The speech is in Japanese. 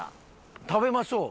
食べましょう。